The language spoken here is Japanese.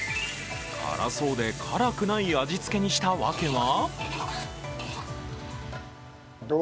辛そうで辛くない味付けにした訳は？